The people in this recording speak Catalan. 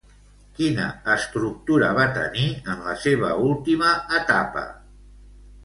Quina estructura va tenir en la seva última etapa?